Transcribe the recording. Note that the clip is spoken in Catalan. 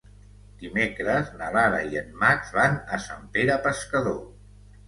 Dimecres na Lara i en Max van a Sant Pere Pescador.